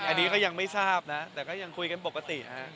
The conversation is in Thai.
อันนี้ก็ยังไม่ทราบนะแต่ก็ยังคุยกันปกติฮะ